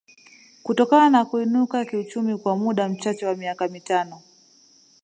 kutokana na kuinuka kiuchumi kwa muda mchache wa miaka mitano